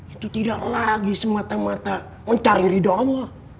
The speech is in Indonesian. itu tidak lagi semata mata mencari ridho allah